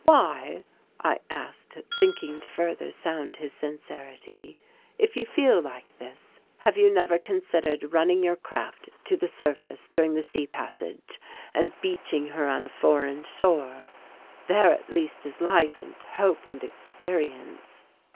"Why," I asked, thinking to further sound his sincerity, "if you feel like this, have you never considered running your craft to the surface during the sea passage and beaching her on a foreign shore? There at least is life and hope and experience."